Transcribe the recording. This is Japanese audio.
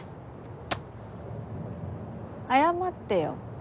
謝ってよ。